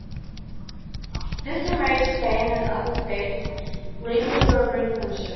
This enraged Spain and other states, leading to brinkmanship.